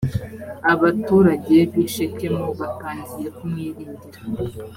abaturage bi shekemu batangiye kumwiringira.